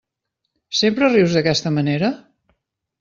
Sempre rius d'aquesta manera?